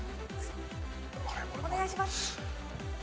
ア。お願いします！